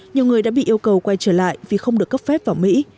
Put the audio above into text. nhiều người đã bị yêu cầu quay trở lại vì không được cấp phép vào mỹ